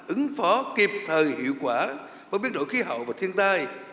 ứng phó kịp thời hiệu quả với biến đổi khí hậu và thiên tai